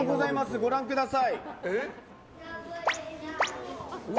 ご覧ください。